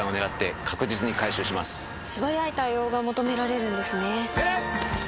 素早い対応が求められるんですね。